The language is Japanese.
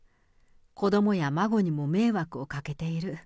子どもや孫にも迷惑をかけている。